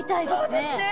そうですね。